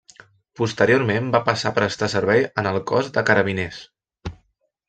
Posteriorment va passar a prestar servei en el Cos de Carabiners.